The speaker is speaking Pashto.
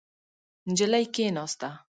نجلۍ کېناسته.